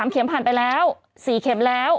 เข็มผ่านไปแล้ว๔เข็มแล้ว